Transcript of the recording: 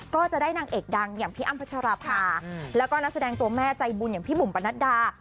ก็จะได้นางเอกดังอย่างพี่อ้ำพัชราภาแล้วก็นักแสดงตัวแม่ใจบุญอย่างพี่บุ๋มปะนัดดา